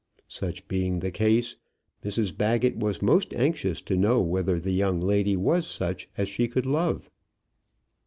Such being the case, Mrs Baggett was most anxious to know whether the young lady was such as she could love.